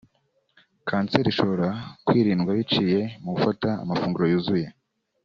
Kanseri ishobora kwirindwa biciye mu gufata amafunguro yuzuye